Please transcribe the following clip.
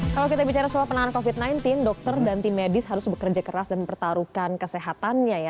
kalau kita bicara soal penanganan covid sembilan belas dokter dan tim medis harus bekerja keras dan mempertaruhkan kesehatannya ya